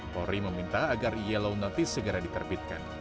polri meminta agar yellow notice segera diterbitkan